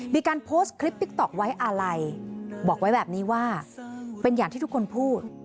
มีการโพสต์คลิปติ๊กต๊อกไว้อะไรบอกไว้แบบนี้ว่าเป็นอย่างที่ทุกคนพูด